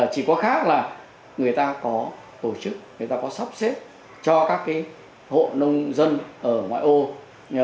chỉ có khác là người ta có tổ chức người ta có sắp xếp cho các hộ nông dân ở ngoại ô